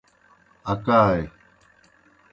اکائے۔